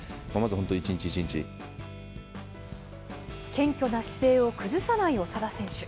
謙虚な姿勢を崩さない長田選手。